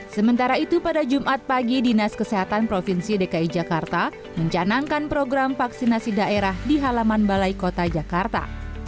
sementara itu pada jumat pagi dinas kesehatan provinsi dki jakarta mencanangkan program vaksinasi daerah di halaman balai kota jakarta